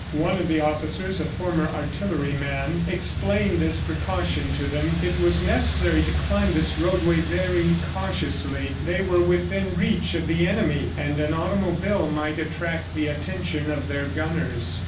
One of the officers, a former artilleryman, explained this precaution to them. It was necessary to climb this roadway very cautiously. They were within reach of the enemy, and an automobile might attract the attention of their gunners.